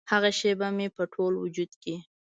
هغه شیبه مې په ټول وجود کې